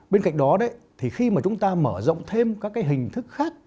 bên cạnh đó thì khi mà chúng ta mở rộng thêm các cái hình thức khác